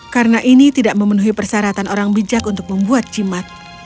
karena ini tidak memenuhi persyaratan orang bijak untuk membuat cimat